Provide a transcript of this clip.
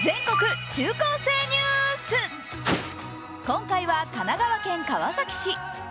今回は、神奈川県川崎市。